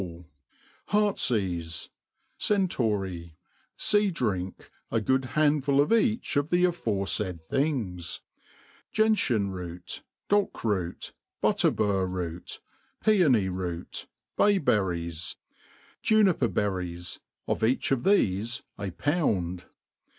ll, Heart*s eafe, Centaury, Sea driak, a good handful of each of the af9refai<) things* Gentian ro9t, Dock>root, Biitterbur root, Piony root, Bay t>erries, Juniper berries, of each of thefe a poiind.